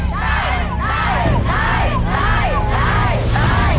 สวัสดีครับ